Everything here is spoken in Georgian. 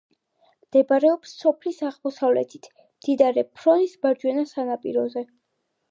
მდებარეობს სოფლის აღმოსავლეთით, მდინარე ფრონის მარჯვენა სანაპიროზე.